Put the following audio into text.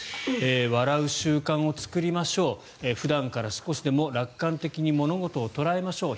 笑う習慣を作りましょう普段から少しでも楽観的に物事を捉えましょう。